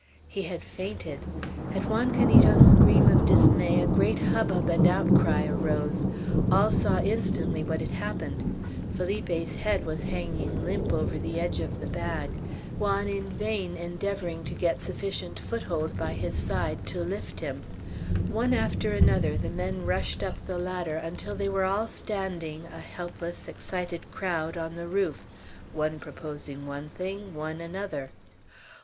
He had fainted. At Juan Canito's scream of dismay, a great hubbub and outcry arose; all saw instantly what had happened. Felipe's head was hanging limp over the edge of the bag, Juan in vain endeavoring to get sufficient foothold by his side to lift him. One after another the men rushed up the ladder, until they were all standing, a helpless, excited crowd, on the roof, one proposing one thing, one another.